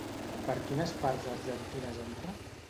Per quines parts argentines entra?